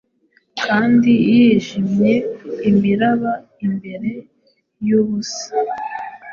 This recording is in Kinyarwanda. kandi yijimye Imiraba imbere yubusa